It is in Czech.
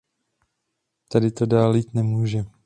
Tak to dále jít nemůže.